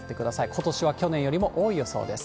ことしは去年よりも多い予想です。